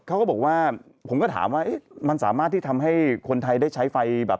เขาก็บอกว่าผมก็ถามว่ามันสามารถที่ทำให้คนไทยได้ใช้ไฟแบบ